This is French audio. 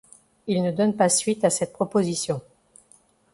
Il ne donne pas suite à cette proposition.